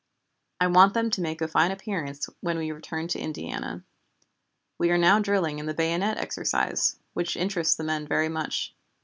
I want them to make a fine appearance when we return to Indiana. We are now drilling in the bayonet exercise, which interests the men very much."